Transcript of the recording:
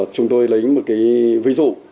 chúng tôi lấy một cái ví dụ